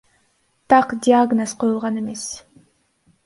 Так диагноз коюлган эмес.